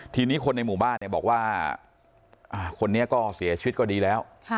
ทีนี้คนในหมู่บ้านเนี่ยบอกว่าคนนี้ก็เสียชีวิตก็ดีแล้ว